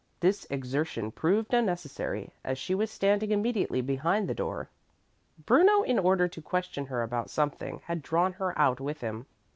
This exertion proved unnecessary, as she was standing immediately behind the door. Bruno, in order to question her about something, had drawn her out with him.